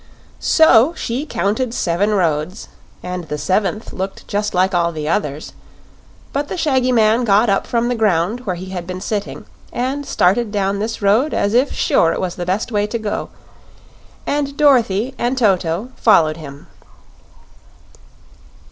So she counted seven roads, and the seventh looked just like all the others; but the shaggy man got up from the ground where he had been sitting and started down this road as if sure it was the best way to go; and Dorothy and Toto followed him.